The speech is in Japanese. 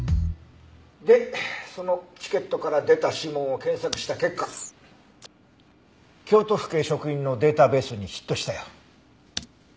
でそのチケットから出た指紋を検索した結果京都府警職員のデータベースにヒットしたよ。